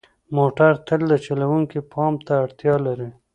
موټر تل د چلوونکي پام ته اړتیا لري.